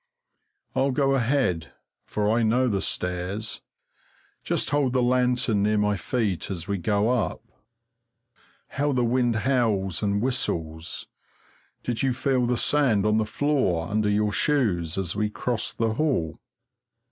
I'll go ahead, for I know the stairs; just hold the lantern near my feet as we go up. How the wind howls and whistles! Did you feel the sand on the floor under your shoes as we crossed the hall?